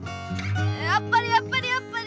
やっぱりやっぱりやっぱり。